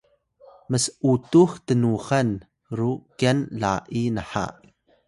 ms’utux tnuxan ru kyan la’i naha